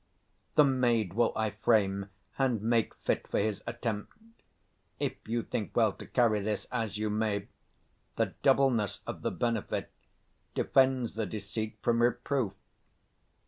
The maid will I frame and make fit for his attempt. If you think well to carry this as you may, the doubleness of the benefit defends the deceit from reproof.